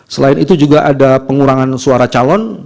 selain itu juga ada pengurangan suara calon